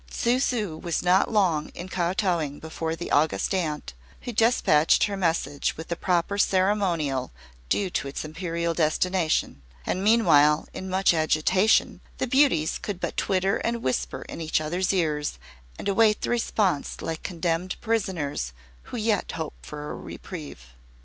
Tsu ssu was not long in kotowing before the August Aunt, who despatched her message with the proper ceremonial due to its Imperial destination; and meanwhile, in much agitation, the beauties could but twitter and whisper in each other's ears, and await the response like condemned prisoners who yet hope for reprieve.